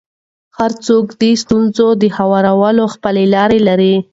هر څوک د ستونزو د هوارولو خپله لاره لري.